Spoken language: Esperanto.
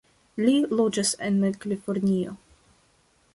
Li loĝas en Kalifornio.